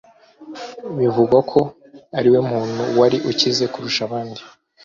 bivugwa ko ariwe muntu wari ukize kurusha abandi.